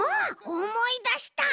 おもいだした。